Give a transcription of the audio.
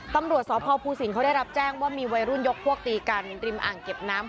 ตำรวจสพภูสินเขาได้รับแจ้งว่ามีวัยรุ่นยกพวกตีกันริมอ่างเก็บน้ำ